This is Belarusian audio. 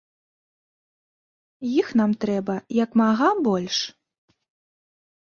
Іх нам трэба як мага больш.